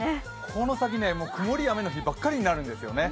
この先、曇りや雨の日ばっかりになるんですね。